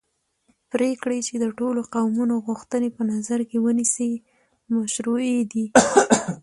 پرېکړې چې د ټولو قومونو غوښتنې په نظر کې ونیسي مشروعې دي